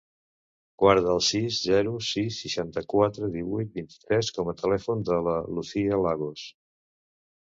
Guarda el sis, zero, sis, seixanta-quatre, divuit, vint-i-tres com a telèfon de la Lucía Lagos.